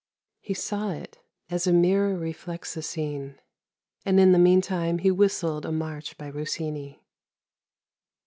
He saw it as a mirror reflects a scene, and in the meantime he whistled a march by Rossini.